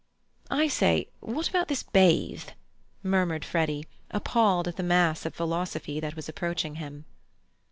"I say, what about this bathe?" murmured Freddy, appalled at the mass of philosophy that was approaching him.